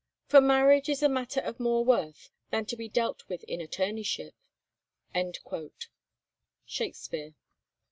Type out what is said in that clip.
"For marriage is a matter of more worth Than to be dealt with in attorneyship." SHAKESPEARE.